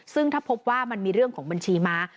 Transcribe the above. ซึ่งถ้าพบว่ามันมีเรื่องของบัญชีม้า